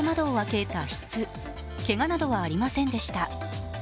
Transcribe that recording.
けがなどはありませんでした。